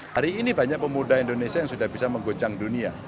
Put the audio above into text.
hari ini banyak pemuda indonesia yang sudah bisa mengguncang dunia